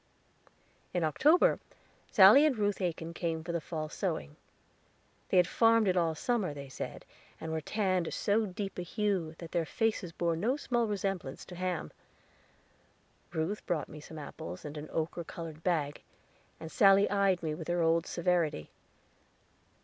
In October Sally and Ruth Aiken came for the fall sewing. They had farmed it all summer, they said, and were tanned so deep a hue that their faces bore no small resemblance to ham. Ruth brought me some apples in an ochre colored bag, and Sally eyed me with her old severity.